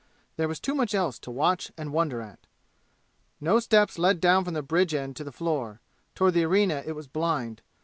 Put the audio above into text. There was too much else to watch and wonder at. No steps led down from the bridge end to the floor; toward the arena it was blind.